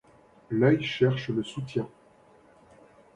L’œil cherche le soutien.